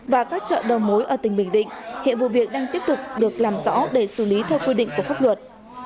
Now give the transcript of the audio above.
và các chợ đầu mối ở tỉnh bình định hiện vụ việc đang tiếp tục được làm rõ để xử lý theo quy định của pháp luật